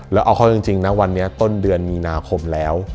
แล้วเอาเข้าจริงนะวันนี้ต้นเดือนมีนาคมแล้ว